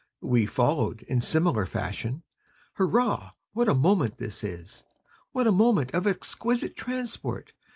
We followed, in similar fashion; Hurrah, what a moment is this! What a moment of exquisite transport!